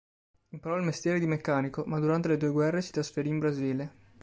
Imparò il mestiere di meccanico, ma durante le due guerre si trasferì in Brasile.